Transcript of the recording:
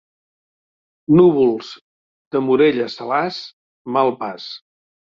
Núvols de Morella a Salàs, mal pas.